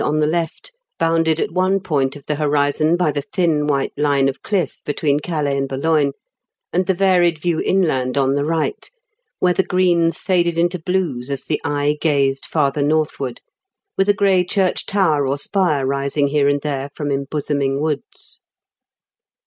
on the left, bounded at one point of the horizon by the thin white line of cliff between Calais and Boulogne, and the varied view inland on the right, where the greens faded into blues as the eye gazed farther northward, with a gray church tower or spire rising here and there from embosoming woods.